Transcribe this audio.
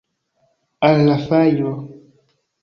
Al la fajro!